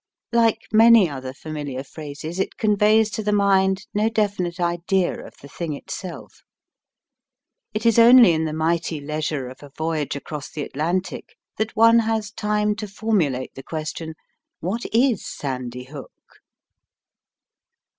Like many other familiar phrases, it conveys to the mind no definite idea of the thing itself. It is only in the mighty leisure of a voyage across the Atlantic that one has time to formulate the question, What is Sandy Hook